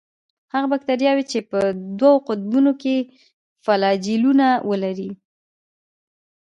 هغه باکتریاوې چې په دوو قطبونو کې فلاجیلونه ولري.